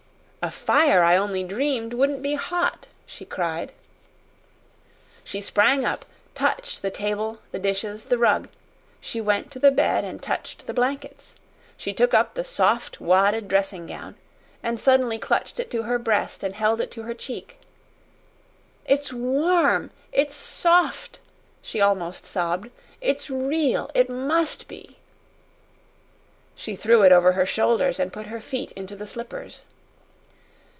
"A fire I only dreamed wouldn't be HOT," she cried. She sprang up, touched the table, the dishes, the rug; she went to the bed and touched the blankets. She took up the soft wadded dressing gown, and suddenly clutched it to her breast and held it to her cheek. "It's warm. It's soft!" she almost sobbed. "It's real. It must be!" She threw it over her shoulders, and put her feet into the slippers.